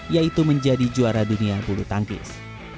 yaitu menjadi juara dunia bulu tangkis